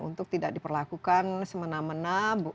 untuk tidak diperlakukan semena mena